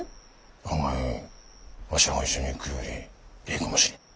存外わしらが一緒に行くよりええかもしれん。